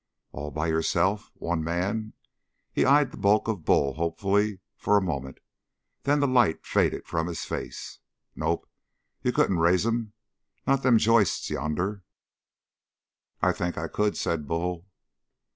"All by yourself? One man?" he eyed the bulk of Bull hopefully for a moment, then the light faded from his face. "Nope, you couldn't raise 'em. Not them joists yonder!" "I think I could," said Bull.